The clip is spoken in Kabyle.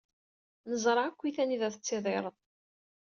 Neẓra akkit anida tettidireḍ.